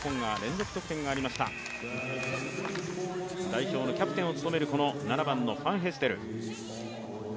代表のキャプテンを務める７番のファンヘステル。